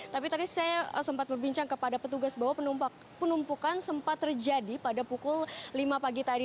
tapi tadi saya sempat berbincang kepada petugas bahwa penumpukan sempat terjadi pada pukul lima pagi tadi